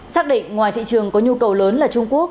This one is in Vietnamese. xác định ngoài thị trường có nhu cầu lớn là trung quốc